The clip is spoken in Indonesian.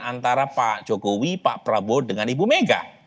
antara pak jokowi pak prabowo dengan ibu mega